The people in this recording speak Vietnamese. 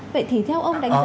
vậy thì theo ông đánh giá